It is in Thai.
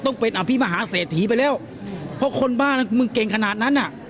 ต้องเป็นอภิมหาเศรษฐีไปแล้วเพราะคนบ้านมึงเก่งขนาดนั้นอ่ะ